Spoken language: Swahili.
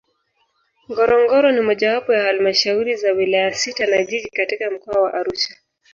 Ngorongoro ni mojawapo ya Halmashauri za Wilaya sita na Jiji katika Mkoa wa Arusha